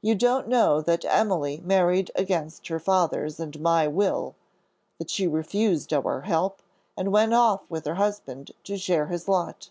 "You don't know that Emily married against her father's and my will; that she refused our help, and went off with her husband to share his lot.